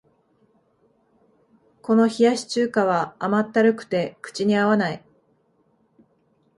この冷やし中華は甘ったるくて口に合わない